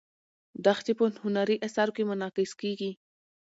دښتې په هنري اثارو کې منعکس کېږي.